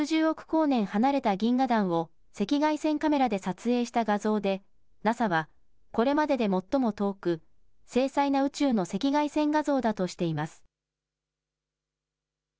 光年離れた銀河団を赤外線カメラで撮影した画像でＮＡＳＡは、これまでで最も遠く精細な宇宙の赤外線画像だとしています。